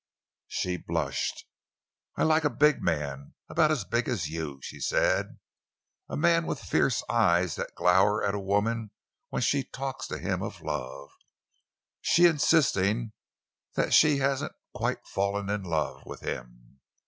She blushed. "I like a big man—about as big as you," she said. "A man with fierce eyes that glower at a woman when she talks to him of love—she insisting that she hasn't quite fallen in love—with him.